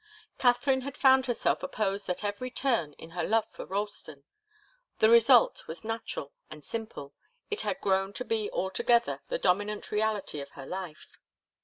Katharine had found herself opposed at every turn in her love for Ralston. The result was natural and simple it had grown to be altogether the dominant reality of her life.